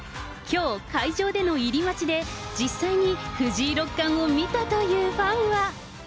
きょう、会場での入り待ちで、実際に藤井六冠を見たというファンは。